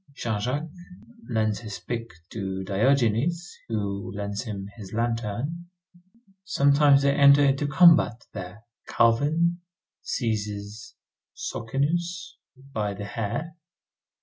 Jean Jacques lends his pick to Diogenes, who lends him his lantern. Sometimes they enter into combat there. Calvin seizes Socinius by the hair.